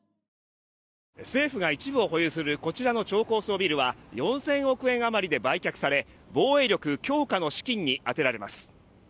政府が一部を保有するこちらの超高層ビルは４０００億円あまりで売却され防衛力強化の資金に充てられます。